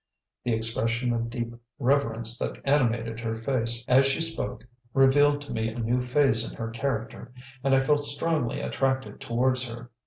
The expression of deep reverence that animated her face as she spoke revealed to me a new phase in her character, and I felt strongly attracted towards her.